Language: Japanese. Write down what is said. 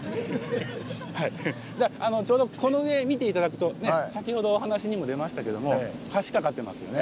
ちょうどこの上見て頂くと先ほどお話にも出ましたけども橋架かってますよね。